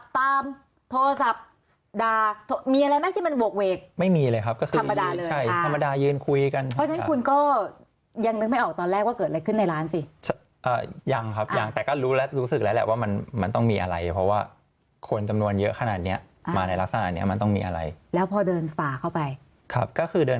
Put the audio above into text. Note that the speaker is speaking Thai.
โทรศัพท์ดามีอะไรมั้ยที่มันโหวกเวกไม่มีเลยครับก็คือธรรมดาเลยใช่ธรรมดายืนคุยกันเพราะฉะนั้นคุณก็ยังนึกไม่ออกตอนแรกว่าเกิดอะไรขึ้นในร้านสิอ่ายังครับยังแต่ก็รู้แล้วรู้สึกแล้วแหละว่ามันมันต้องมีอะไรเพราะว่าคนจำนวนเยอะขนาดเนี้ยมาในรักษณะนั้นเนี้ย